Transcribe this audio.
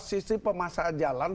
sisi pemasaran jalan